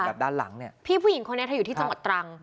ด้านหลังเนี่ยพี่ผู้หญิงคนนี้เธออยู่ที่จังหวัดตรัง